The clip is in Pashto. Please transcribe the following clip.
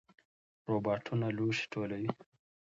روباټونه لوښي ټولوي.